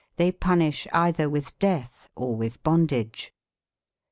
thcy punishc citb/ cr with death or with bondage.